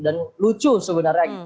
dan lucu sebenarnya